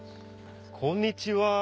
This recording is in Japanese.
こんにちは。